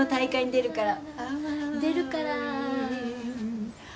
「出るから」